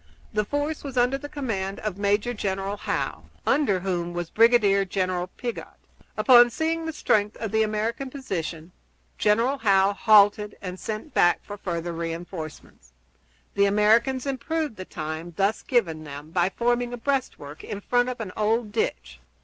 The force was under the command of Major General Howe, under whom was Brigadier General Piggott. Upon seeing the strength of the American position, General Howe halted, and sent back for further re enforcements. The Americans improved the time thus given them by forming a breastwork in front of an old ditch.